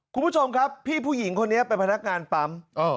คุณผู้ชมครับพี่ผู้หญิงคนนี้เป็นพนักงานปั๊ม